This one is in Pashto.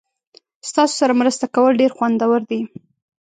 ستاسو سره مرسته کول ډیر خوندور دي.